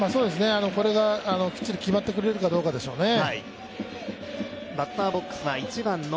これがきっちり決まってくれるかどうかでしょうね。